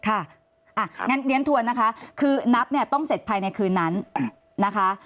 อย่างนั้นเรียนทวนนะคะคือนับเนี่ยต้องเสร็จภายในคืนนั้นนะคะ